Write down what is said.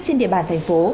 trên địa bàn thành phố